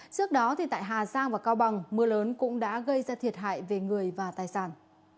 trước đó tại hà giang và cao bằng mưa lớn cũng đã gây ra thiệt hại về người và tài sản